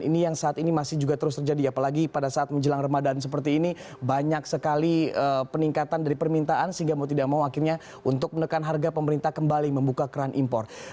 ini yang saat ini masih juga terus terjadi apalagi pada saat menjelang ramadan seperti ini banyak sekali peningkatan dari permintaan sehingga mau tidak mau akhirnya untuk menekan harga pemerintah kembali membuka keran impor